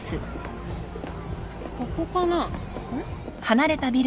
ここかな？